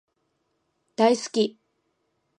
大好き